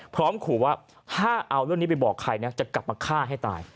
พร้อมขู่ว่าถ้าเอาเรื่องนี้ไปบอกใครนะจะกลับมาฆ่าให้ตาย